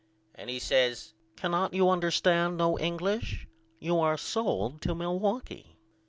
And he says Cannot you understand no English? You are sold to Milwaukee.